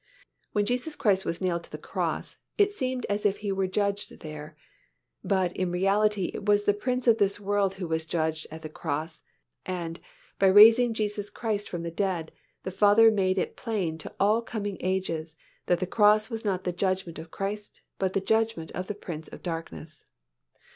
When Jesus Christ was nailed to the cross, it seemed as if He were judged there, but in reality it was the Prince of this world who was judged at the cross, and, by raising Jesus Christ from the dead, the Father made it plain to all coming ages that the cross was not the judgment of Christ, but the judgment of the Prince of darkness.